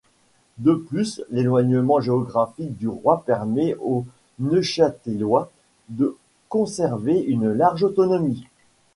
De plus, l'éloignement géographique du roi permet aux Neuchâtelois de conserver une large autonomie.